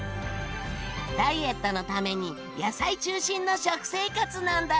ダイエットのために野菜中心の食生活なんだって。